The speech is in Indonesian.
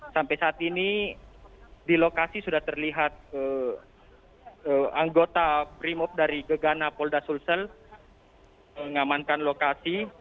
sampai saat ini di lokasi sudah terlihat anggota primop dari gegana polda sulsel mengamankan lokasi